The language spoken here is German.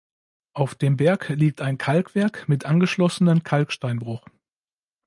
Auf dem Berg liegt ein Kalkwerk mit angeschlossenen Kalksteinbruch.